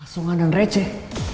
asungan dan receh